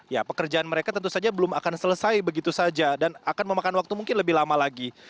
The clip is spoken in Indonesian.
ya pekerjaan mereka tentu saja belum akan selesai begitu saja dan akan memakan waktu mungkin lebih lama lagi